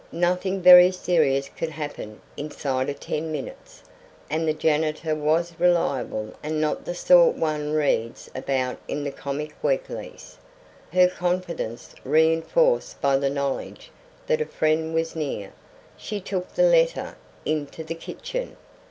Nothing very serious could happen inside of ten minutes; and the janitor was reliable and not the sort one reads about in the comic weeklies. Her confidence reenforced by the knowledge that a friend was near, she took the letter into the kitchen.